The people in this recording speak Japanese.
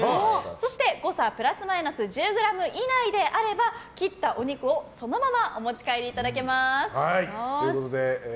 そして誤差プラスマイナス１０ｇ以内であれば切ったお肉をそのままお持ち帰りいただけます。